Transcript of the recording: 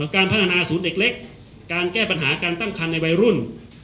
การพัฒนาศูนย์เด็กเล็กการแก้ปัญหาการตั้งคันในวัยรุ่น